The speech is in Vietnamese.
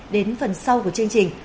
đến phần sau của chương trình